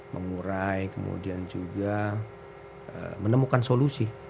mengurai kemudian juga menemukan solusi